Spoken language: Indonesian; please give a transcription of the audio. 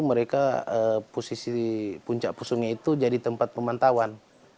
di puncak pusungnya itu jadi tempat pemantauan